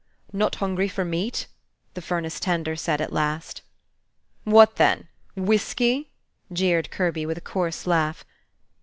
"Not hungry for meat," the furnace tender said at last. "What then? Whiskey?" jeered Kirby, with a coarse laugh.